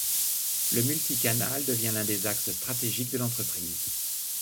Le multicanal devient l'un des axes stratégiques de l'entreprise.